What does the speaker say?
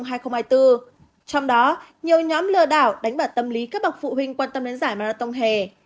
trong đó nhiều nhóm lừa đảo đánh vào tâm lý các bậc phụ huynh quan tâm đến giải marathon hè